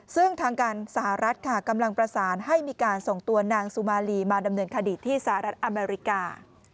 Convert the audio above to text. ซึ่งทางการสหรัฐค่ะกำลังประสานให้มีการส่งตัวนางสุมาลีมาดำเนินคดีที่สหรัฐอเมริกา